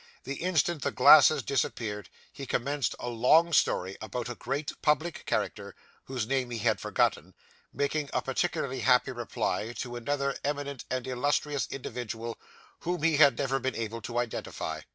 The instant the glasses disappeared, he commenced a long story about a great public character, whose name he had forgotten, making a particularly happy reply to another eminent and illustrious individual whom he had never been able to identify.